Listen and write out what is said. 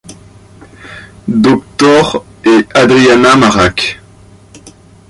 Doctor et Adriana Marac.